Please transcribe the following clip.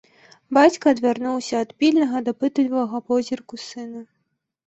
Бацька адвярнуўся ад пільнага, дапытлівага позірку сына.